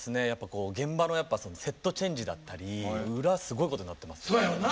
現場のセットチェンジだったり裏すごいことになってますよね。